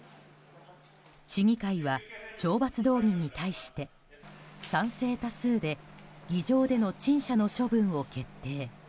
市議会は懲罰動議に対して賛成多数で議場での陳謝の処分を決定。